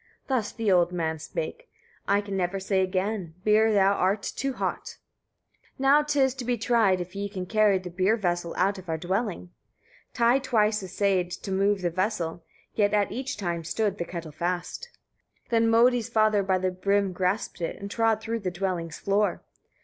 Thus the old man spake: "I can never say again, beer thou art too hot. 33. "Now 'tis to be tried if ye can carry the beer vessel out of our dwelling." Ty twice assayed to move the vessel, yet at each time stood the kettle fast. 34. Then Modi's father by the brim grasped it, and trod through the dwelling's floor.